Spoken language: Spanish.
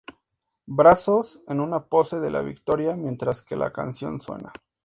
Brazos en una pose de la victoria, mientras que la canción suena.